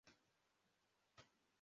Abateze amatwi bagizwe n'ingimbi